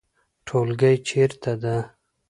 ټولګی چیرته ده؟